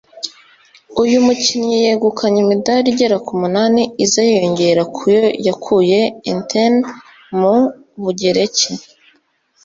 uyu mikinnyi yegukanye imidari igera ku munani iza yiyongera ku yo yakuye Athens mu Bugereki